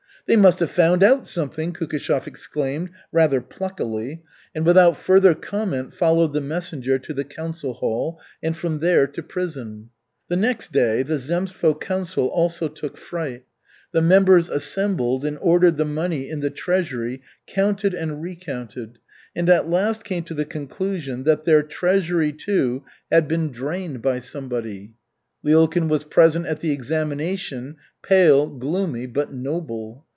"They must have found out something!" Kukishev exclaimed rather pluckily, and without further comment followed the messenger to the council hall, and from there to prison. The next day the zemstvo council also took fright. The members assembled and ordered the money in the treasury counted and recounted, and at last came to the conclusion that their treasury, too, had been drained by somebody. Lyulkin was present at the examination, pale, gloomy, but "noble"!